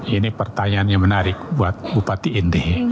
ini pertanyaan yang menarik buat bupati ini